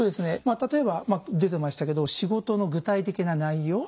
例えば出てましたけど仕事の具体的な内容。